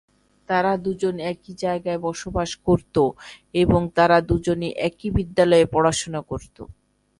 তারা দুজনে একই জায়গায় বসবাস করত এবং তারা দুজনে একই বিদ্যালয়ে পড়াশুনা করত।